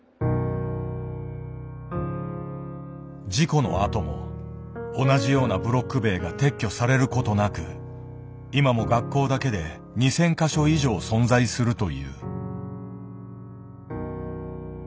事故のあとも同じようなブロック塀が撤去されることなく今も学校だけで２，０００か所以上存在するという。